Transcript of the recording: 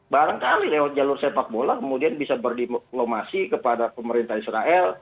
barangkali lewat jalur sepak bola kemudian bisa berdiplomasi kepada pemerintah israel